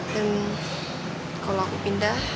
dan kalo aku pindah